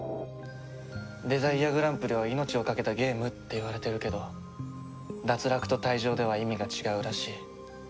デザイアグランプリは命をかけたゲームっていわれてるけど脱落と退場では意味が違うらしい。